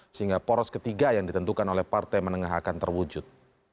sehingga poros ketiga yang ditentukan oleh partai menengah akan terwujud